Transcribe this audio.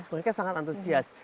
mereka sangat antusias